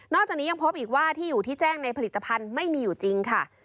จากนี้ยังพบอีกว่าที่อยู่ที่แจ้งในผลิตภัณฑ์ไม่มีอยู่จริงค่ะ